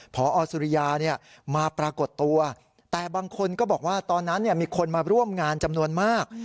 พอสุริยามาปรากฏตัวแต่บางคนก็บอกว่าตอนนั้นมีคนมาร่วมงานจำนวนมาก